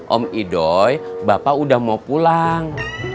om idoy bapak udah mau pulang